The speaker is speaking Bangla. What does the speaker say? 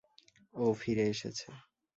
ও ফিরে এসেছে।